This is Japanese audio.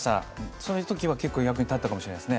そういうのは結構役に立ったかもしれないですね。